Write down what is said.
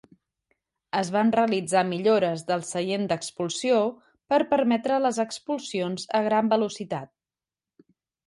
Es van realitzar millores del seient d'expulsió per permetre les expulsions a gran velocitat.